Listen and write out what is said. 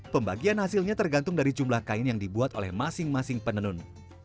pembagian hasilnya tergantung dari jumlah kain yang dibuat oleh masing masing penenun